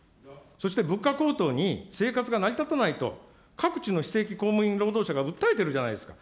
そして、物価高騰に生活が成り立たないと、各地の非正規公務員労働者が訴えてるじゃないですか。